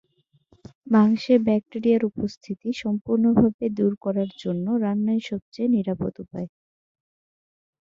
মাংসে ব্যাকটেরিয়ার উপস্থিতি সম্পূর্ণভাবে দূর করার জন্য রান্নাই সবচেয়ে নিরাপদ উপায়।